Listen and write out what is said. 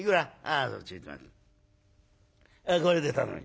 あこれで頼む。